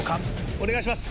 お願いします。